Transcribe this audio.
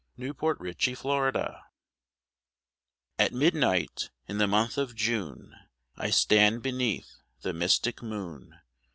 THE SLEEPER At midnight, in the month of June, I stand beneath the mystic moon.